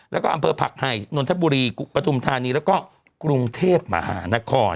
แล้วก็อำเภอผักไห่นทบุรีปฐุมธานีแล้วก็กรุงเทพมหานคร